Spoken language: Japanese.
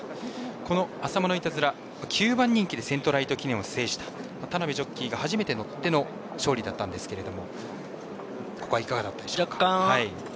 このアサマノイタズラセントライト記念を制した田辺ジョッキーが乗って初めての勝利だったんですけれどもここはいかがだったでしょうか。